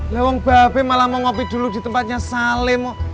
lewang babik malah mau ngopi dulu di tempatnya sale